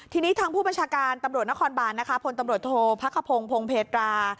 ทีนี้ทางผู้บัญชาการตำรวจนครบานนะคะพลตำรวจโทษพระขพงศ์พงเพตรา